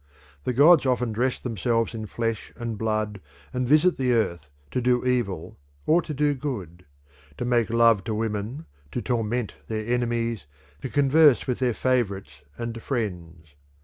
The gods often dress themselves in flesh and blood and visit the earth to do evil or to do good to make love to women, to torment their enemies, to converse with their favourites and friends.